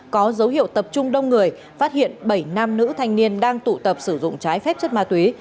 có dấu hiệu tập trung đông người phát hiện bảy nam nữ thanh niên đang tụ tập sử dụng trái phép chất ma túy